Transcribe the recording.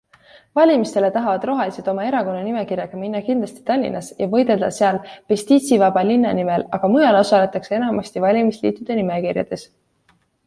Valimistele tahavad rohelised oma erakonna nimekirjaga minna kindlasti Tallinnas ja võidelda seal pestiitsivaba linna nimel, aga mujal osaletakse enamasti valimisliitude nimekirjades.